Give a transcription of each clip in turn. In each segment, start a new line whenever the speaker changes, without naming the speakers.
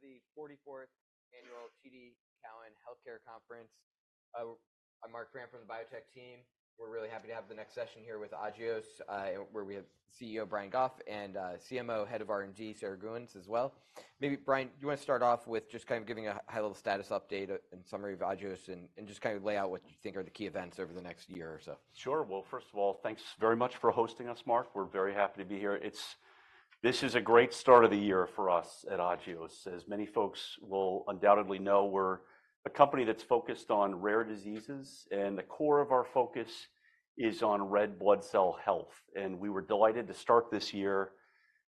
Welcome back to the 44th annual TD Cowen health care conference. I'm Marc Frahm from the biotech team. We're really happy to have the next session here with Agios where we have CEO Brian Goff and CMO Head of R&D Sarah Gheuens as well. Maybe Brian you wanna start off with just kind of giving a high-level status update and summary of Agios and and just kind of lay out what you think are the key events over the next year or so.
Sure. Well, first of all, thanks very much for hosting us, Marc. We're very happy to be here. It's a great start of the year for us at Agios. As many folks will undoubtedly know, we're a company that's focused on rare diseases and the core of our focus is on red blood cell health. And we were delighted to start this year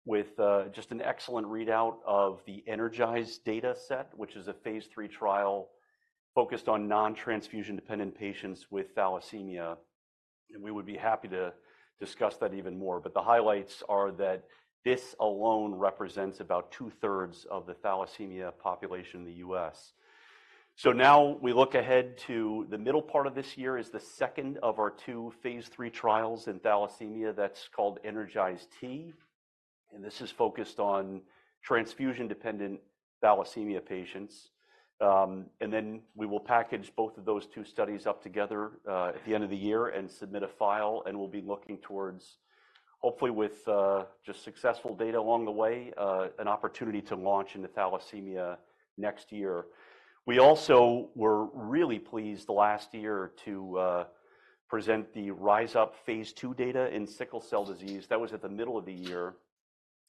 with just an excellent readout of the ENERGIZE data set, which is a phase III trial focused on non-transfusion dependent patients with thalassemia. And we would be happy to discuss that even more. But the highlights are that this alone represents about two-thirds of the thalassemia population in the U.S. So now we look ahead to the middle part of this year, is the second of our two phase II trials in thalassemia that's called ENERGIZE-T. This is focused on transfusion dependent thalassemia patients. Then we will package both of those two studies up together at the end of the year and submit a file and we'll be looking towards hopefully with just successful data along the way an opportunity to launch into thalassemia next year. We also were really pleased the last year to present the RISE UP phase II data in sickle cell disease. That was at the middle of the year.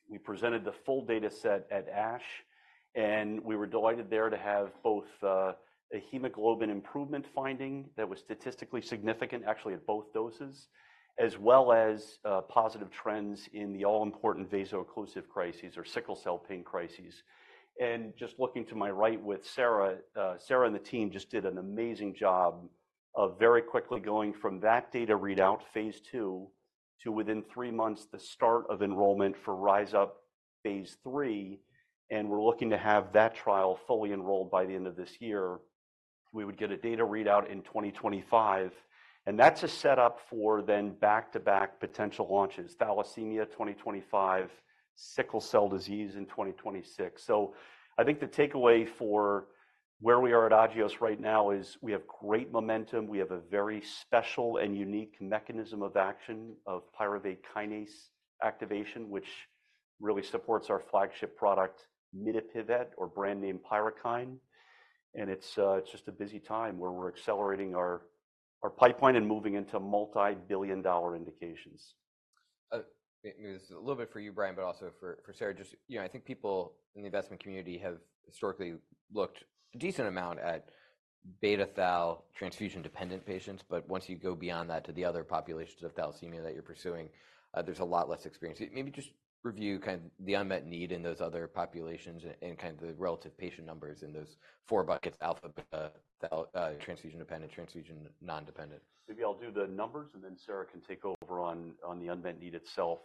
We presented the full data set at ASH and we were delighted there to have both a hemoglobin improvement finding that was statistically significant actually at both doses as well as positive trends in the all-important vaso-occlusive crises or sickle cell pain crises. Just looking to my right with Sarah and the team just did an amazing job of very quickly going from that data readout phase II to within 3 months the start of enrollment for RISE UP phase III. We're looking to have that trial fully enrolled by the end of this year. We would get a data readout in 2025. That's a setup for then back-to-back potential launches thalassemia 2025 sickle cell disease in 2026. So I think the takeaway for where we are at Agios right now is we have great momentum. We have a very special and unique mechanism of action of pyruvate kinase activation which really supports our flagship product mitapivat or brand name PYRUKYND. It's just a busy time where we're accelerating our pipeline and moving into multi-billion dollar indications.
Maybe this is a little bit for you, Brian, but also for Sarah. Just, you know, I think people in the investment community have historically looked a decent amount at beta thal transfusion dependent patients. But once you go beyond that to the other populations of thalassemia that you're pursuing, there's a lot less experience. Maybe just review kind of the unmet need in those other populations and kind of the relative patient numbers in those four buckets alpha beta thal transfusion dependent transfusion non-dependent.
Maybe I'll do the numbers and then Sarah can take over on the unmet need itself.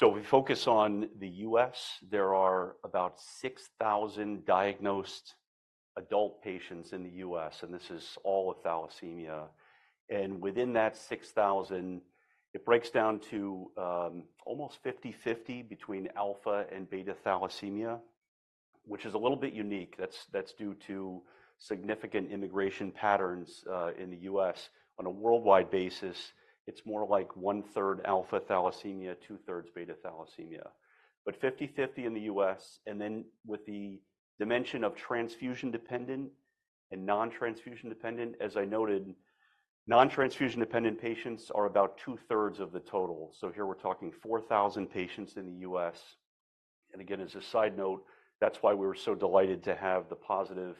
If we focus on the U.S. there are about 6,000 diagnosed adult patients in the U.S. and this is all of thalassemia. Within that 6,000 it breaks down to almost 50/50 between alpha and beta thalassemia which is a little bit unique. That's due to significant immigration patterns in the U.S. On a worldwide basis it's more like 1/3 alpha thalassemia 2/3 beta thalassemia. 50/50 in the U.S. and then with the dimension of transfusion dependent and non-transfusion dependent as I noted non-transfusion dependent patients are about 2/3 of the total. Here we're talking 4,000 patients in the U.S. Again as a side note, that's why we were so delighted to have the positive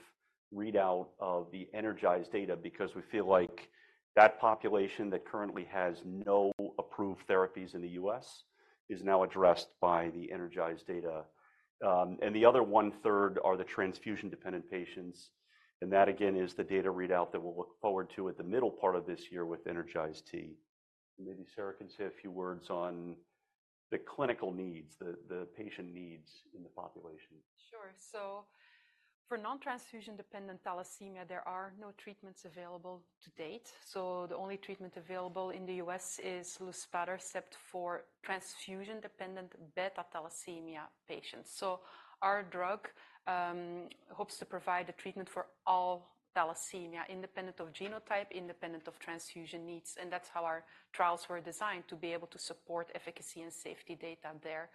readout of the ENERGIZE data because we feel like that population that currently has no approved therapies in the U.S. is now addressed by the ENERGIZE data. And the other 1/3 are the transfusion-dependent patients. And that again is the data readout that we'll look forward to at the middle part of this year with ENERGIZE-T. Maybe Sarah can say a few words on the clinical needs, the patient needs in the population.
Sure. So for non-transfusion-dependent thalassemia there are no treatments available to date. So the only treatment available in the U.S. is luspatercept for transfusion-dependent beta-thalassemia patients. So our drug hopes to provide the treatment for all thalassemia independent of genotype independent of transfusion needs. And that's how our trials were designed to be able to support efficacy and safety data there.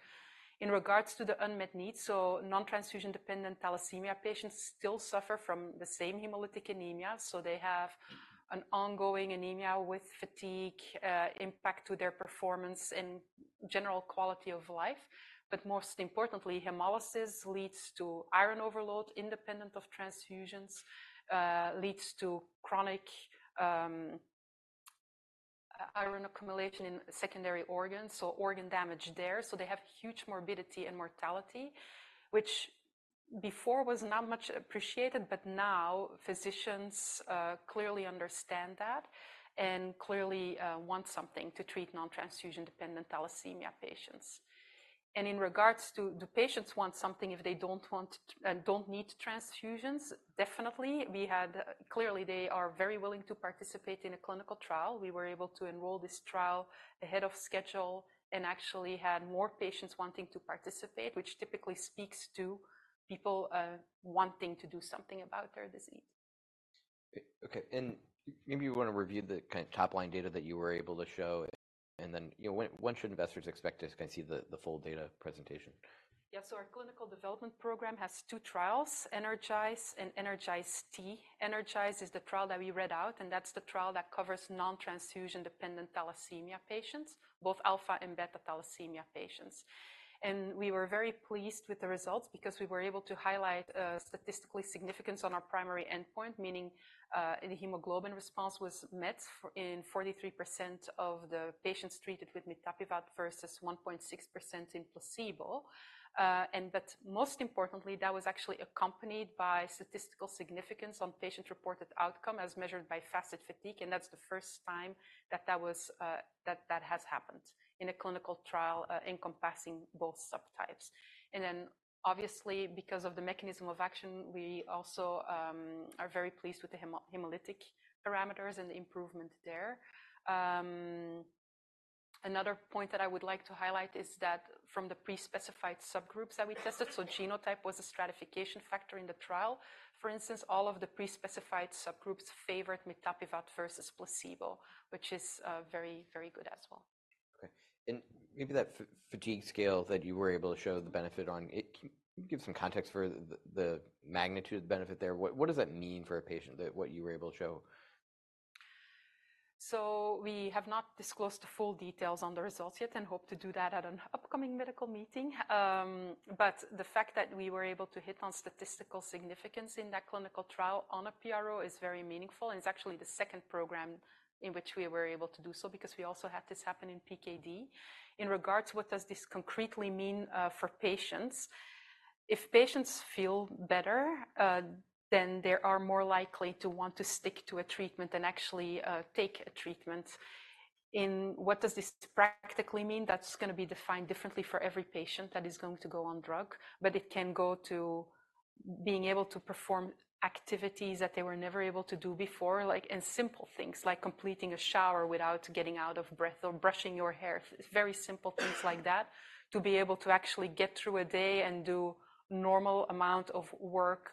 In regards to the unmet needs, so non-transfusion-dependent thalassemia patients still suffer from the same hemolytic anemia. So they have an ongoing anemia with fatigue impact to their performance and general quality of life. But most importantly hemolysis leads to iron overload independent of transfusions, leads to chronic iron accumulation in secondary organs so organ damage there. So they have huge morbidity and mortality, which before was not much appreciated, but now physicians clearly understand that and clearly want something to treat non-transfusion dependent thalassemia patients. And in regards to, do patients want something if they don't want to don't need transfusions? Definitely we had clearly they are very willing to participate in a clinical trial. We were able to enroll this trial ahead of schedule and actually had more patients wanting to participate, which typically speaks to people wanting to do something about their disease.
Okay. And maybe you wanna review the kind of top line data that you were able to show, and then, you know, when should investors expect to kind of see the full data presentation?
Yeah. So our clinical development program has two trials ENERGIZE and ENERGIZE-T. ENERGIZE is the trial that we read out and that's the trial that covers non-transfusion-dependent thalassemia patients both alpha- and beta-thalassemia patients. And we were very pleased with the results because we were able to highlight statistical significance on our primary endpoint meaning the hemoglobin response was met in 43% of the patients treated with mitapivat versus 1.6% in placebo. But most importantly that was actually accompanied by statistical significance on patient-reported outcome as measured by FACIT-Fatigue. And that's the first time that that was that that has happened in a clinical trial encompassing both subtypes. And then obviously because of the mechanism of action we also are very pleased with the hemolytic parameters and the improvement there. Another point that I would like to highlight is that from the pre-specified subgroups that we tested, so genotype was a stratification factor in the trial. For instance, all of the pre-specified subgroups favored mitapivat versus placebo, which is very very good as well.
Okay. And maybe that fatigue scale that you were able to show the benefit on it. Can you give some context for the magnitude of the benefit there? What does that mean for a patient, that what you were able to show?
So we have not disclosed the full details on the results yet and hope to do that at an upcoming medical meeting. But the fact that we were able to hit on statistical significance in that clinical trial on a PRO is very meaningful. And it's actually the second program in which we were able to do so because we also had this happen in PKD. In regards to what does this concretely mean for patients if patients feel better then they are more likely to want to stick to a treatment and actually take a treatment. In what does this practically mean that's gonna be defined differently for every patient that is going to go on drug. But it can go to being able to perform activities that they were never able to do before, like and simple things like completing a shower without getting out of breath or brushing your hair, very simple things like that, to be able to actually get through a day and do normal amount of work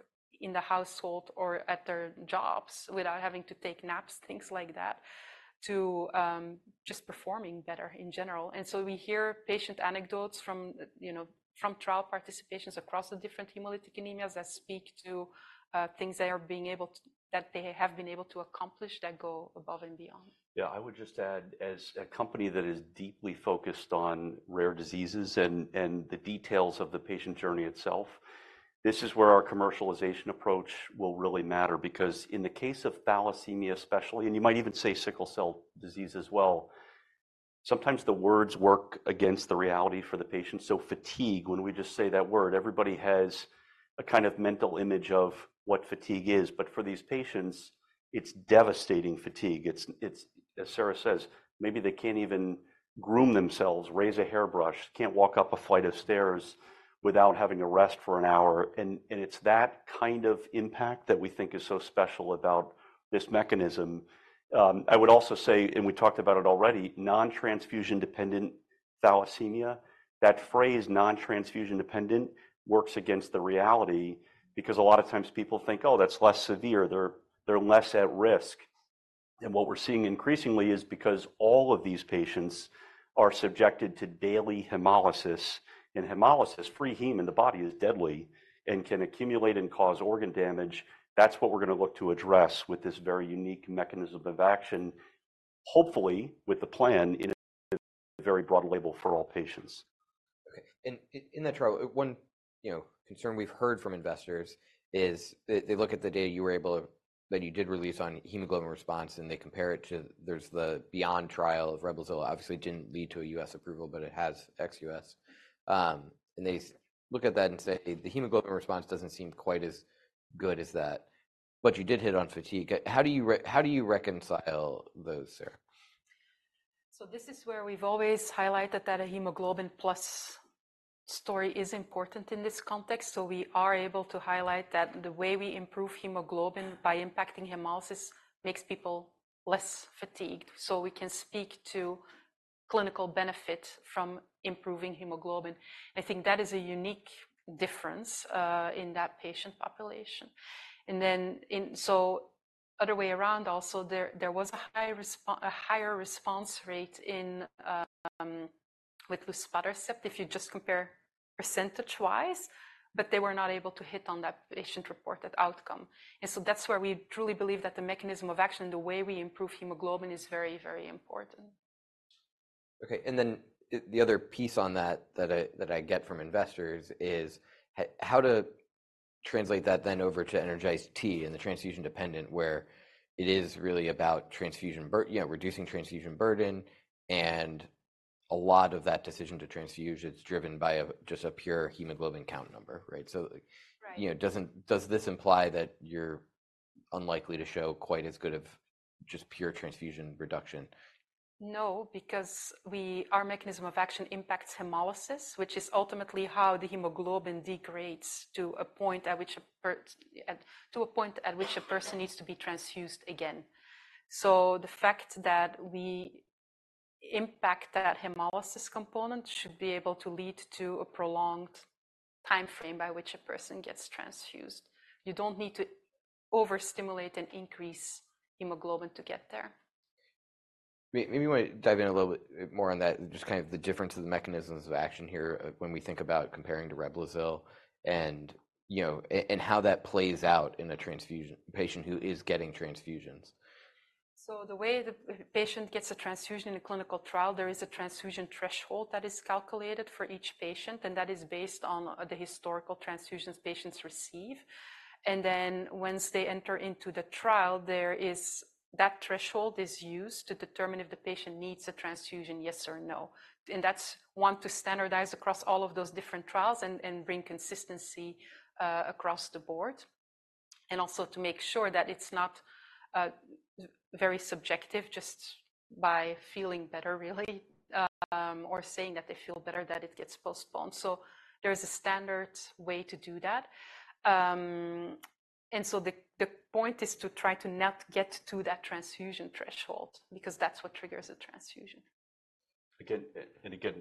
in the household or at their jobs without having to take naps, things like that, to just performing better in general. And so we hear patient anecdotes from, you know, from trial participations across the different hemolytic anemias that speak to things that they have been able to accomplish that go above and beyond.
Yeah. I would just add as a company that is deeply focused on rare diseases and the details of the patient journey itself this is where our commercialization approach will really matter. Because in the case of thalassemia especially and you might even say sickle cell disease as well sometimes the words work against the reality for the patient. So fatigue when we just say that word everybody has a kind of mental image of what fatigue is. But for these patients it's devastating fatigue. It's as Sarah says maybe they can't even groom themselves raise a hairbrush can't walk up a flight of stairs without having a rest for an hour. And it's that kind of impact that we think is so special about this mechanism. I would also say, and we talked about it already, non-transfusion dependent thalassemia that phrase "non-transfusion dependent" works against the reality because a lot of times people think oh that's less severe they're less at risk. What we're seeing increasingly is because all of these patients are subjected to daily hemolysis. Hemolysis free heme in the body is deadly and can accumulate and cause organ damage. That's what we're gonna look to address with this very unique mechanism of action hopefully with the plan in a very broad label for all patients.
Okay. In that trial, one you know concern we've heard from investors is that they look at the data you were able to that you did release on hemoglobin response and they compare it to the Beyond trial of Reblozyl obviously didn't lead to a U.S. approval but it has ex-U.S. and they look at that and say the hemoglobin response doesn't seem quite as good as that. But you did hit on fatigue. How do you how do you reconcile those Sarah?
So this is where we've always highlighted that a hemoglobin plus story is important in this context. So we are able to highlight that the way we improve hemoglobin by impacting hemolysis makes people less fatigued. So we can speak to clinical benefit from improving hemoglobin. I think that is a unique difference in that patient population. And then, in the other way around, also, there was a higher response rate with luspatercept if you just compare percentage-wise. But they were not able to hit on that patient-reported outcome. And so that's where we truly believe that the mechanism of action and the way we improve hemoglobin is very very important.
Okay. And then the other piece on that that I get from investors is how to translate that then over to ENERGIZE-T and the transfusion-dependent where it is really about transfusion burden, you know, reducing transfusion burden. And a lot of that decision to transfuse—it's driven by just a pure hemoglobin count number, right? So like.
Right.
You know, doesn't this imply that you're unlikely to show quite as good of just pure transfusion reduction?
No, because our mechanism of action impacts hemolysis, which is ultimately how the hemoglobin degrades to a point at which a person needs to be transfused again. So the fact that we impact that hemolysis component should be able to lead to a prolonged time frame by which a person gets transfused. You don't need to overstimulate and increase hemoglobin to get there.
Maybe you wanna dive in a little bit more on that, just kind of the difference of the mechanisms of action here when we think about comparing to Reblozyl and you know and how that plays out in a transfusion patient who is getting transfusions.
So the way the patient gets a transfusion in a clinical trial, there is a transfusion threshold that is calculated for each patient. And that is based on the historical transfusions patients receive. And then once they enter into the trial, that threshold is used to determine if the patient needs a transfusion yes or no. And that's what we want to standardize across all of those different trials and bring consistency across the board. And also to make sure that it's not very subjective just by feeling better really or saying that they feel better that it gets postponed. So there is a standard way to do that. And so the point is to try to not get to that transfusion threshold because that's what triggers a transfusion.
Again and again,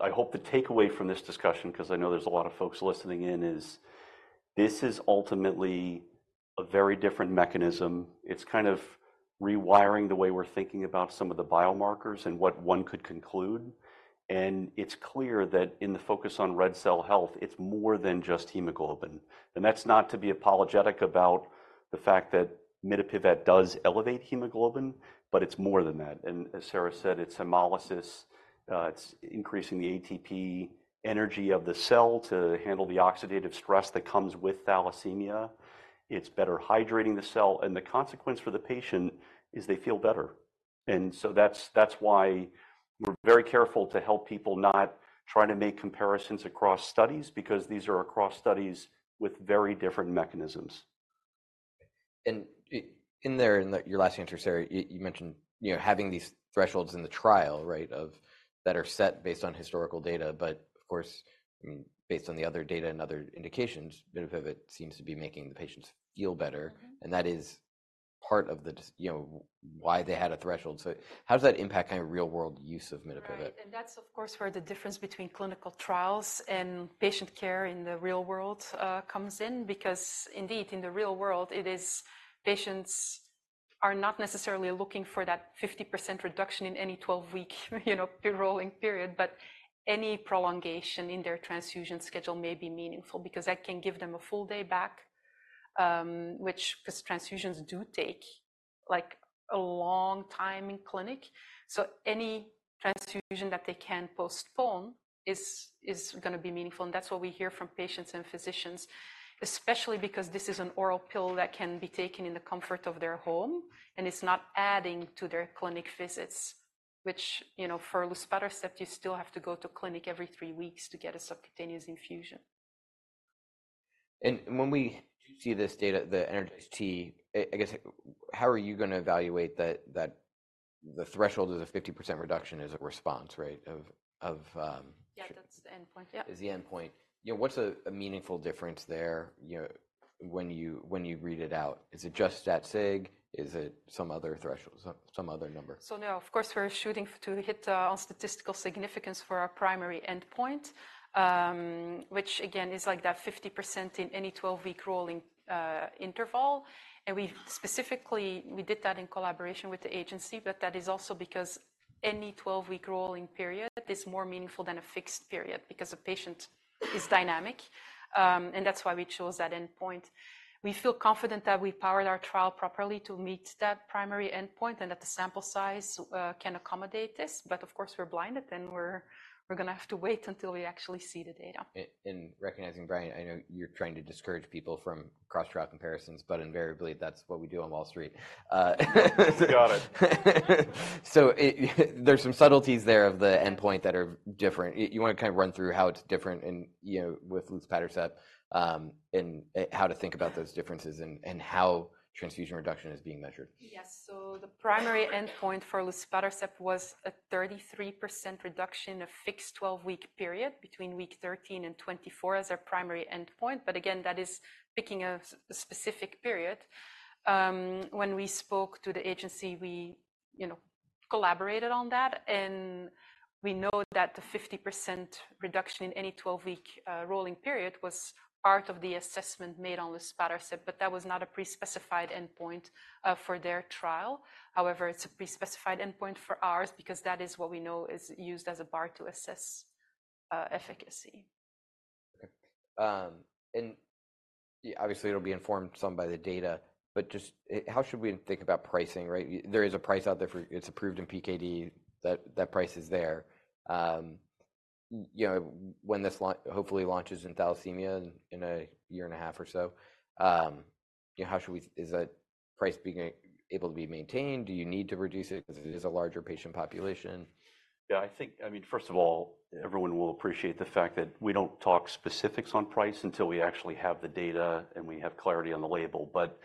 I hope the takeaway from this discussion 'cause I know there's a lot of folks listening in is this is ultimately a very different mechanism. It's kind of rewiring the way we're thinking about some of the biomarkers and what one could conclude. And it's clear that in the focus on red cell health it's more than just hemoglobin. And that's not to be apologetic about the fact that mitapivat does elevate hemoglobin but it's more than that. And as Sarah said it's hemolysis it's increasing the ATP energy of the cell to handle the oxidative stress that comes with thalassemia. It's better hydrating the cell. And the consequence for the patient is they feel better. And so that's why we're very careful to help people not try to make comparisons across studies because these are across studies with very different mechanisms.
Okay. And in there in your last answer Sarah, you mentioned you know having these thresholds in the trial right that are set based on historical data. But of course I mean based on the other data and other indications mitapivat seems to be making the patients feel better. And that is part of this you know why they had a threshold. So how does that impact kind of real-world use of mitapivat?
And that's of course where the difference between clinical trials and patient care in the real world comes in. Because indeed in the real world it is patients are not necessarily looking for that 50% reduction in any 12-week you know rolling period. But any prolongation in their transfusion schedule may be meaningful because that can give them a full day back which 'cause transfusions do take like a long time in clinic. So any transfusion that they can postpone is gonna be meaningful. And that's what we hear from patients and physicians especially because this is an oral pill that can be taken in the comfort of their home. And it's not adding to their clinic visits which you know for luspatercept you still have to go to clinic every 3 weeks to get a subcutaneous infusion.
When we do see this data, the ENERGIZE-T, I guess how are you gonna evaluate that? That the threshold is a 50% reduction is a response, right? Of
Yeah. That's the end point. Yeah.
Is the endpoint, you know, what's a meaningful difference there, you know, when you read it out? Is it just that sig? Is it some other threshold or some other number?
So now of course we're shooting for to hit on statistical significance for our primary endpoint which again is like that 50% in any 12-week rolling interval. We specifically did that in collaboration with the agency. But that is also because any 12-week rolling period is more meaningful than a fixed period because a patient is dynamic, and that's why we chose that endpoint. We feel confident that we powered our trial properly to meet that primary endpoint and that the sample sizes can accommodate this. But of course we're blinded and we're gonna have to wait until we actually see the data.
Recognizing Brian, I know you're trying to discourage people from cross-trial comparisons. But invariably that's what we do on Wall Street.
Got it.
So there's some subtleties there of the endpoint that are different. You wanna kinda run through how it's different, you know, with luspatercept and how to think about those differences and how transfusion reduction is being measured?
Yes. So the primary endpoint for luspatercept was a 33% reduction in a fixed 12-week period between week 13 and 24 as our primary endpoint. But again that is picking a specific period. When we spoke to the agency, we, you know, collaborated on that. And we know that the 50% reduction in any 12-week rolling period was part of the assessment made on luspatercept. But that was not a pre-specified endpoint for their trial. However it's a pre-specified endpoint for ours because that is what we know is used as a bar to assess efficacy.
Okay. Obviously it'll be informed some by the data. But just how should we think about pricing right? Yeah, there is a price out there for it; it's approved in PKD, that that price is there. You know when this launch hopefully launches in thalassemia in a year and a half or so you know how should we see is that price being able to be maintained? Do you need to reduce it 'cause it is a larger patient population?
Yeah. I think I mean first of all everyone will appreciate the fact that we don't talk specifics on price until we actually have the data and we have clarity on the label. But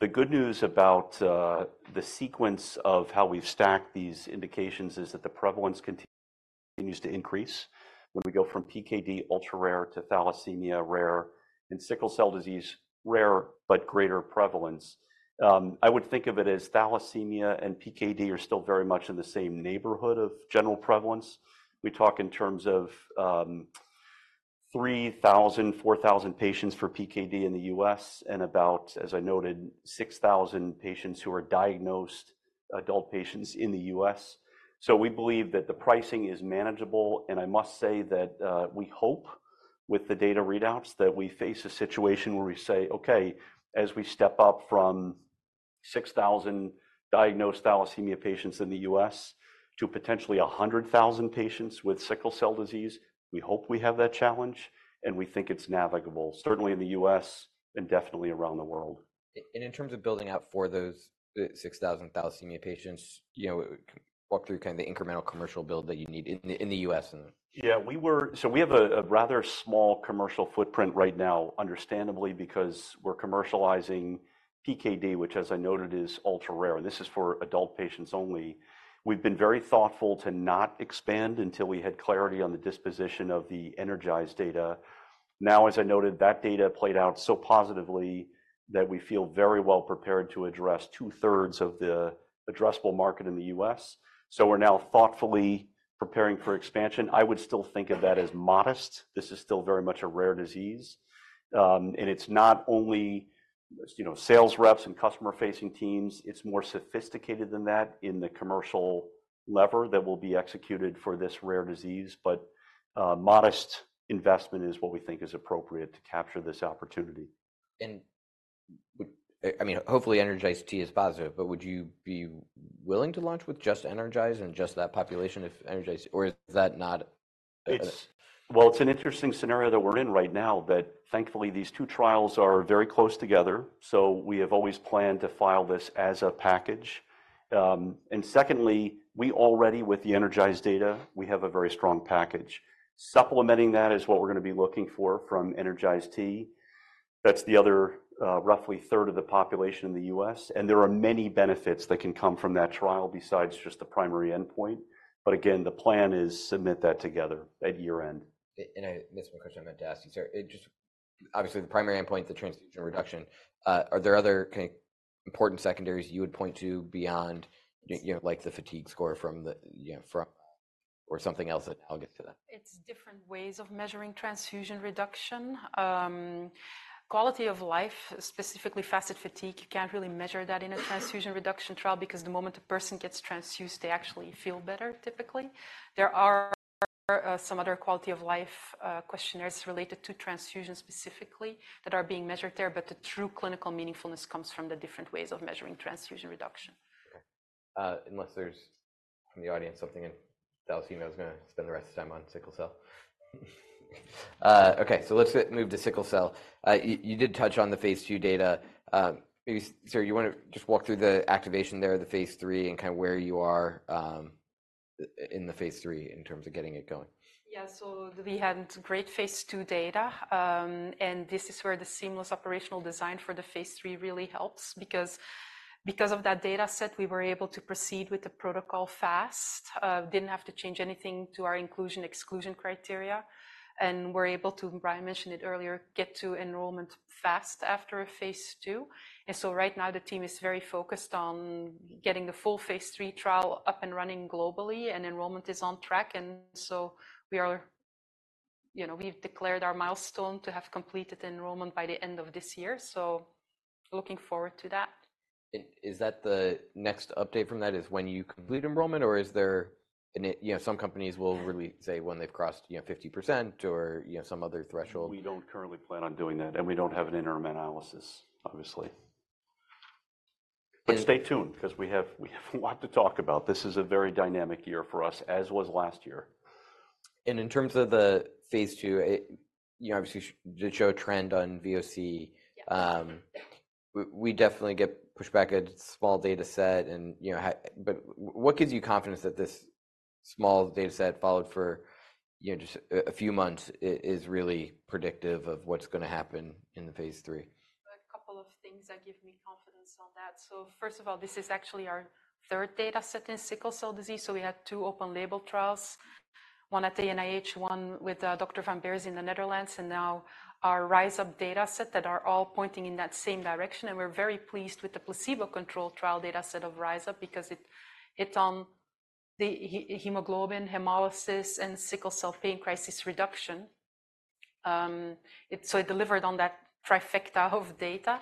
the good news about the sequence of how we've stacked these indications is that the prevalence continues to increase when we go from PKD ultra-rare to thalassemia rare and sickle cell disease rare but greater prevalence. I would think of it as thalassemia and PKD are still very much in the same neighborhood of general prevalence. We talk in terms of 3,000-4,000 patients for PKD in the U.S. and about as I noted 6,000 patients who are diagnosed adult patients in the U.S. So we believe that the pricing is manageable. I must say that we hope with the data readouts that we face a situation where we say okay, as we step up from 6,000 diagnosed thalassemia patients in the U.S. to potentially 100,000 patients with sickle cell disease, we hope we have that challenge. We think it's navigable certainly in the U.S. and definitely around the world.
And in terms of building out for those 6,000 thalassemia patients, you know, walk through kinda the incremental commercial build that you need in the U.S. and.
Yeah. We have a rather small commercial footprint right now, understandably, because we're commercializing PKD, which, as I noted, is ultra-rare. This is for adult patients only. We've been very thoughtful to not expand until we had clarity on the disposition of the ENERGIZE data. Now, as I noted, that data played out so positively that we feel very well prepared to address two-thirds of the addressable market in the U.S. So we're now thoughtfully preparing for expansion. I would still think of that as modest. This is still very much a rare disease, and it's not only, you know, sales reps and customer-facing teams. It's more sophisticated than that in the commercial lever that will be executed for this rare disease. But modest investment is what we think is appropriate to capture this opportunity.
And would I mean hopefully ENERGIZE-T is positive. But would you be willing to launch with just ENERGIZE and just that population if ENERGIZE or is that not a.
It's, well, it's an interesting scenario that we're in right now. But thankfully these two trials are very close together. So we have always planned to file this as a package. And secondly we already with the ENERGIZE data we have a very strong package. Supplementing that is what we're gonna be looking for from ENERGIZE-T. That's the other roughly third of the population in the US. And there are many benefits that can come from that trial besides just the primary endpoint. But again the plan is submit that together at year-end.
And I missed one question I meant to ask you Sarah. I just, obviously, the primary endpoint, the transfusion reduction—are there other kinda important secondaries you would point to beyond, you know, like the fatigue score from the, you know, or something else that now gets to that?
It's different ways of measuring transfusion reduction. Quality of life, specifically FACIT-Fatigue, you can't really measure that in a transfusion reduction trial because the moment a person gets transfused they actually feel better typically. There are some other quality of life questionnaires related to transfusion specifically that are being measured there. But the true clinical meaningfulness comes from the different ways of measuring transfusion reduction.
Okay. Unless there's from the audience something in thalassemia that's gonna spend the rest of the time on sickle cell. Okay. So let's move to sickle cell. You did touch on the phase II data. Maybe Sarah you wanna just walk through the activation there of the phase III and kinda where you are in the phase III in terms of getting it going?
Yeah. So we had great phase II data. And this is where the seamless operational design for the phase III really helps. Because of that dataset we were able to proceed with the protocol fast. Didn't have to change anything to our inclusion/exclusion criteria. And we're able to, as Brian mentioned it earlier, get to enrollment fast after a phase II. And so right now the team is very focused on getting the full phase III trial up and running globally. And enrollment is on track. And so we are, you know, we've declared our milestone to have completed enrollment by the end of this year. So looking forward to that.
And is that the next update from that is when you complete enrollment or is there an interim, you know, some companies will release, say, when they've crossed, you know, 50% or, you know, some other threshold?
We don't currently plan on doing that. We don't have an interim analysis obviously.
And.
Stay tuned 'cause we have we have a lot to talk about. This is a very dynamic year for us as was last year.
And in terms of the phase II-A, you know, obviously it did show a trend on VOC.
Yeah.
We definitely get pushback at small dataset. And you know, but what gives you confidence that this small dataset followed for you know just a few months is really predictive of what's gonna happen in the phase III?
A couple of things that give me confidence on that. So first of all, this is actually our third dataset in sickle cell disease. So we had two open-label trials, one at the NIH, one with Dr. Van Beers in the Netherlands. And now our RISE UP dataset that are all pointing in that same direction. And we're very pleased with the placebo-controlled trial dataset of RISE UP because it hit on the hemoglobin, hemolysis, and sickle cell pain crisis reduction. It, so it delivered on that trifecta of data.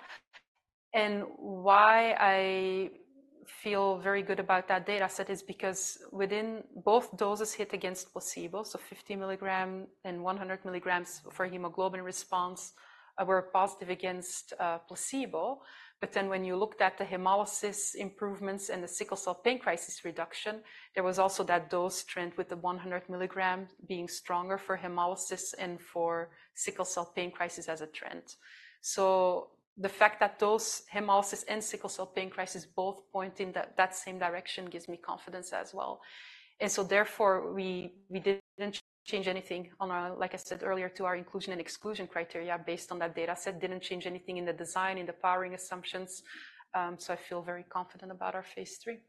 And why I feel very good about that dataset is because both doses hit against placebo, so 50 mg and 100 mg for hemoglobin response were positive against placebo. But then when you looked at the hemolysis improvements and the sickle cell pain crisis reduction, there was also that dose trend with the 100 mg being stronger for hemolysis and for sickle cell pain crisis as a trend. So the fact that those hemolysis and sickle cell pain crisis both point in that same direction gives me confidence as well. And so therefore we didn't change anything on our, like I said earlier, to our inclusion and exclusion criteria based on that dataset. Didn't change anything in the design in the powering assumptions. So I feel very confident about our phase III.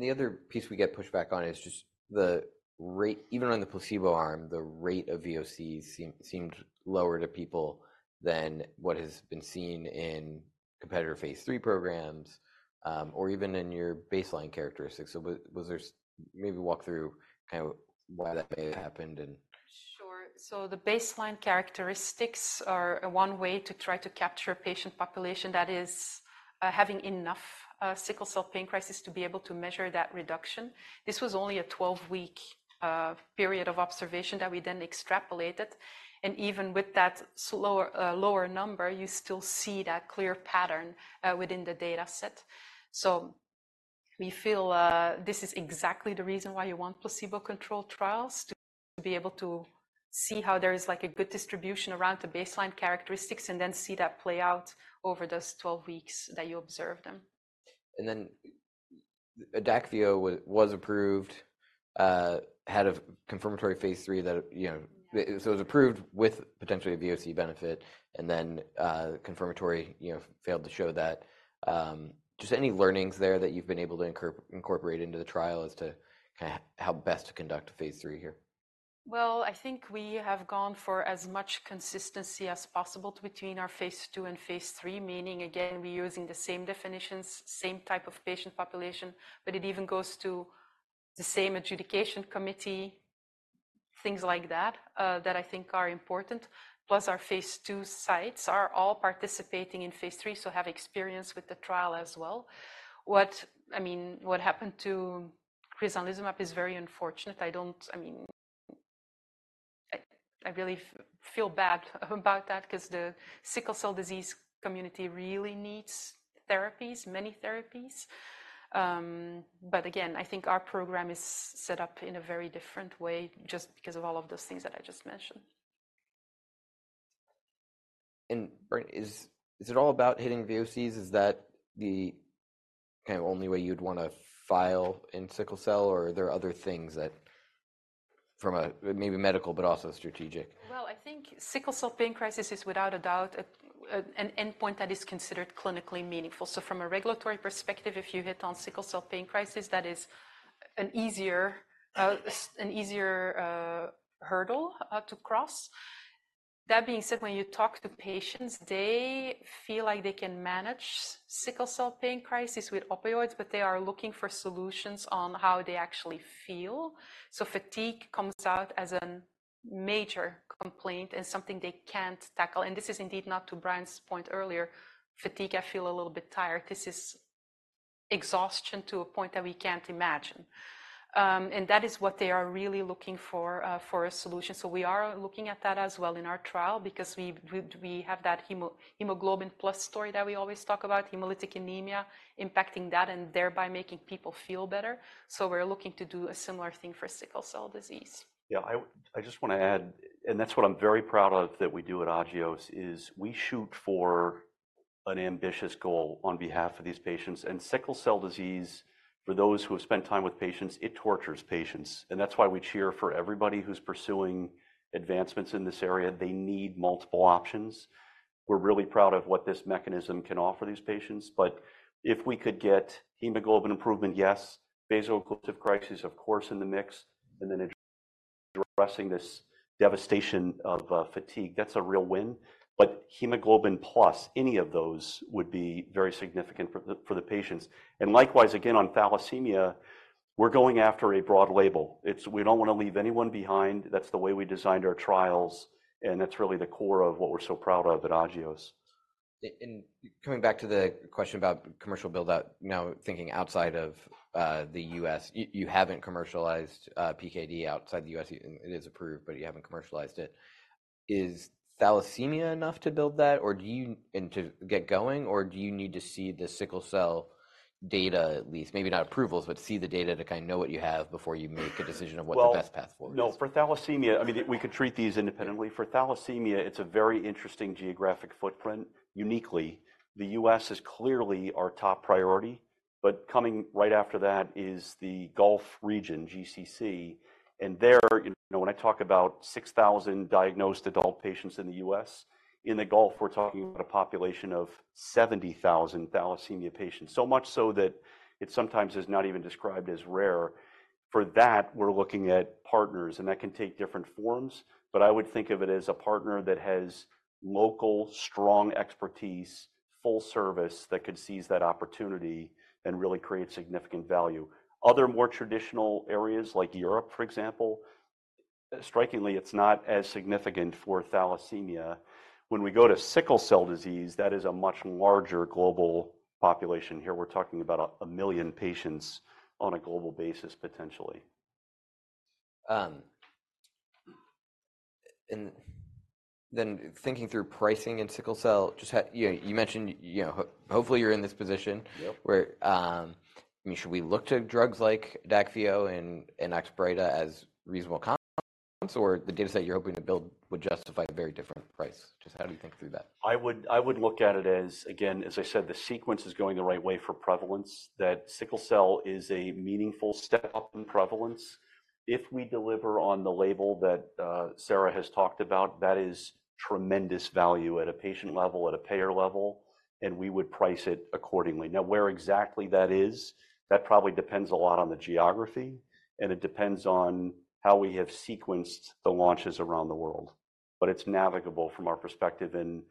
The other piece we get pushback on is just the rate even on the placebo arm, the rate of VOC seemed lower to people than what has been seen in competitor phase III programs or even in your baseline characteristics. So, was there maybe walk through kinda why that may have happened and.
Sure. So the baseline characteristics are one way to try to capture a patient population that is having enough sickle cell pain crisis to be able to measure that reduction. This was only a 12-week period of observation that we then extrapolated. And even with that slower lower number you still see that clear pattern within the dataset. So we feel this is exactly the reason why you want placebo-controlled trials to be able to see how there is like a good distribution around the baseline characteristics and then see that play out over those 12 weeks that you observe them.
And then Adakveo was approved, had a confirmatory phase III that, you know.
Yeah.
So it was approved with potentially a VOC benefit. And then confirmatory you know failed to show that. Just any learnings there that you've been able to incorporate into the trial as to kinda how best to conduct a phase III here?
Well, I think we have gone for as much consistency as possible between our phase II and phase III. Meaning, again, we're using the same definitions, same type of patient population. But it even goes to the same adjudication committee, things like that, that I think are important. Plus, our phase II sites are all participating in phase III, so have experience with the trial as well. What I mean, what happened to crizanlizumab is very unfortunate. I don't, I mean, I really feel bad about that 'cause the sickle cell disease community really needs therapies, many therapies. But again, I think our program is set up in a very different way just because of all of those things that I just mentioned.
Brian, is it all about hitting VOCs? Is that the kinda only way you'd wanna file in sickle cell or are there other things that from a maybe medical but also strategic.
Well, I think sickle cell pain crisis is without a doubt an endpoint that is considered clinically meaningful. So from a regulatory perspective if you hit on sickle cell pain crisis that is an easier hurdle to cross. That being said when you talk to patients they feel like they can manage sickle cell pain crisis with opioids. But they are looking for solutions on how they actually feel. So fatigue comes out as a major complaint and something they can't tackle. And this is indeed not to Brian's point earlier fatigue I feel a little bit tired. This is exhaustion to a point that we can't imagine. And that is what they are really looking for a solution. So we are looking at that as well in our trial because we have that hemoglobin plus story that we always talk about hemolytic anemia impacting that and thereby making people feel better. So we're looking to do a similar thing for sickle cell disease.
Yeah. I just wanna add and that's what I'm very proud of that we do at Agios is we shoot for an ambitious goal on behalf of these patients. And sickle cell disease, for those who have spent time with patients, it tortures patients. And that's why we cheer for everybody who's pursuing advancements in this area. They need multiple options. We're really proud of what this mechanism can offer these patients. But if we could get hemoglobin improvement, yes, vaso-occlusive crisis of course in the mix. And then addressing this devastation of fatigue that's a real win. But hemoglobin plus any of those would be very significant for the patients. And likewise again on thalassemia we're going after a broad label. It's we don't wanna leave anyone behind. That's the way we designed our trials. That's really the core of what we're so proud of at Agios.
Coming back to the question about commercial build-out, now thinking outside of the U.S., you haven't commercialized PKD outside the U.S. and it is approved but you haven't commercialized it. Is thalassemia enough to build that or do you need to get going or do you need to see the sickle cell data at least maybe not approvals but see the data to kinda know what you have before you make a decision of what the best path for is?
Well, no, for thalassemia I mean it we could treat these independently. For thalassemia it's a very interesting geographic footprint uniquely. The U.S. is clearly our top priority. But coming right after that is the Gulf region GCC. And there you know when I talk about 6,000 diagnosed adult patients in the U.S. in the Gulf we're talking about a population of 70,000 thalassemia patients. So much so that it sometimes is not even described as rare. For that we're looking at partners. And that can take different forms. But I would think of it as a partner that has local strong expertise full service that could seize that opportunity and really create significant value. Other more traditional areas like Europe for example astonishingly it's not as significant for thalassemia. When we go to sickle cell disease that is a much larger global population here. We're talking about 1 million patients on a global basis potentially.
And then thinking through pricing in sickle cell just ha you know you mentioned you know hopefully you're in this position.
Yep.
Where, I mean, should we look to drugs like Adakveo and Oxbryta as reasonable comps, or the dataset you're hoping to build would justify a very different price? Just how do you think through that?
I would look at it as, again, as I said, the sequence is going the right way for prevalence. That sickle cell is a meaningful step up in prevalence. If we deliver on the label that Sarah has talked about, that is tremendous value at a patient level, at a payer level. And we would price it accordingly. Now, where exactly that is, that probably depends a lot on the geography. And it depends on how we have sequenced the launches around the world. But it's navigable from our perspective. And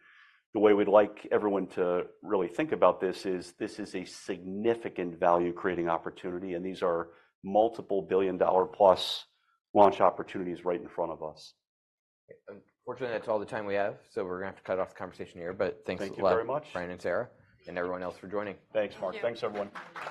the way we'd like everyone to really think about this is, this is a significant value-creating opportunity. And these are multiple billion-dollar-plus launch opportunities right in front of us.
And fortunately that's all the time we have. So we're gonna have to cut off the conversation here. But thanks a lot, Brian and Sarah and everyone else for joining.
Thanks, Marc. Thanks, everyone.